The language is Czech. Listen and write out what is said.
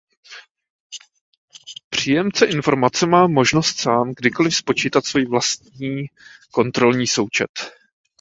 Příjemce informace má možnost sám kdykoliv spočítat svůj vlastní kontrolní součet.